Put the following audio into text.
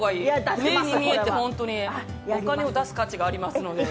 目に見えていいからお金を出す価値がありますので。